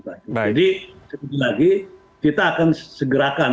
jadi sekali lagi kita akan segerakan